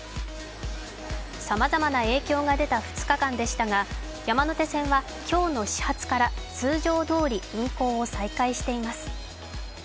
さまざまな影響が出た２日間でしたが山手線は今日の始発から通常どおり運行を再開しています。